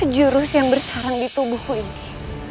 jurus yang bersarang di tubuhku ini